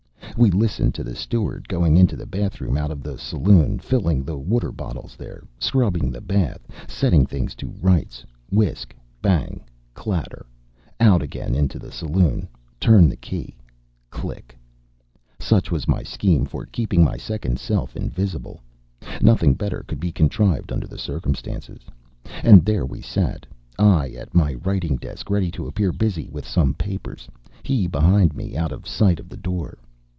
We listened to the steward going into the bathroom out of the saloon, filling the water bottles there, scrubbing the bath, setting things to rights, whisk, bang, clatter out again into the saloon turn the key click. Such was my scheme for keeping my second self invisible. Nothing better could be contrived under the circumstances. And there we sat; I at my writing desk ready to appear busy with some papers, he behind me out of sight of the door.